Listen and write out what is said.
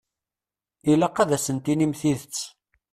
Ilaq ad asen-tinim tidet.